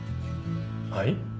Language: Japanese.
はい？